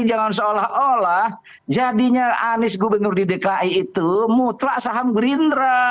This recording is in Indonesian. jangan seolah olah jadinya anies gubernur di dki itu mutlak saham gerindra